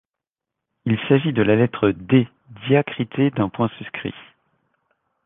Il s'agit de la lettre D diacritée d'un point suscrit.